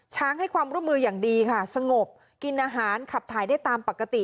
ให้ความร่วมมืออย่างดีค่ะสงบกินอาหารขับถ่ายได้ตามปกติ